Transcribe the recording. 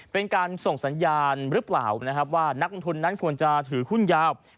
เป็นการส่งสัญญาณหรือเปล่านะครับว่านักลงทุนนั้นควรจะถือหุ้นยาว